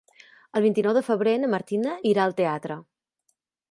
El vint-i-nou de febrer na Martina irà al teatre.